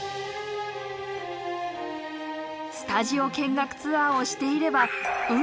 スタジオ見学ツアーをしていれば運